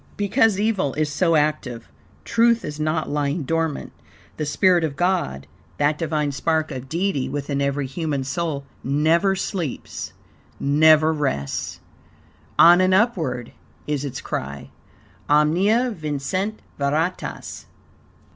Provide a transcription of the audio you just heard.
Because evil is so active, truth is not lying dormant. The spirit of God, that Divine spark of Deity within every human soul, never sleeps, never rests. "On and upward" is its cry. "Omnia vincit veritas."